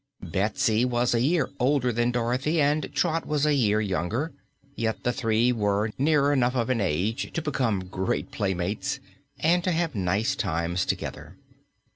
Betsy was a year older than Dorothy and Trot was a year younger, yet the three were near enough of an age to become great playmates and to have nice times together.